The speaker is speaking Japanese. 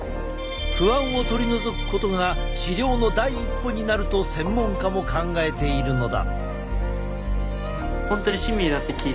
不安を取り除くことが治療の第一歩になると専門家も考えているのだ。